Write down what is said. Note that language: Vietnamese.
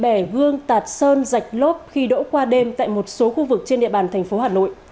bè hương tạt sơn dạch lốp khi đỗ qua đêm tại một số khu vực trên địa bàn thành phố hà nội